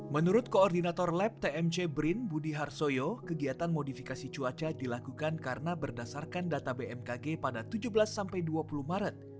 menurut koordinator lab tmc brin budi harsoyo kegiatan modifikasi cuaca dilakukan karena berdasarkan data bmkg pada tujuh belas sampai dua puluh maret